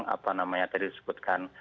apa namanya tadi disebutkan